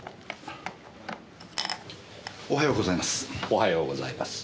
おはようございます。